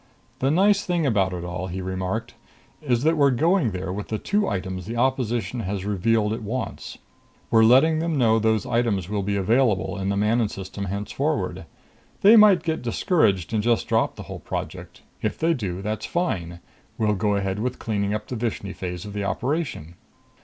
"The nice thing about it all," he remarked, "is that we're going there with the two items the opposition has revealed it wants. We're letting them know those items will be available in the Manon System henceforward. They might get discouraged and just drop the whole project. If they do, that's fine. We'll go ahead with cleaning up the Vishni phase of the operation.